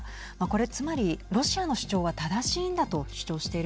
これつまりロシアの主張は正しいんだとはい。